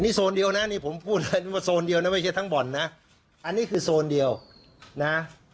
โซนเดียวนะนี่ผมพูดเลยว่าโซนเดียวนะไม่ใช่ทั้งบ่อนนะอันนี้คือโซนเดียวนะ